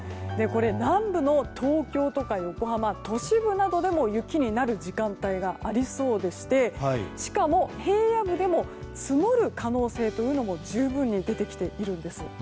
これ、南部の東京とか横浜都市部などでも雪になる時間帯がありそうでしてしかも平野部でも積もる可能性が十分に出てきているんです。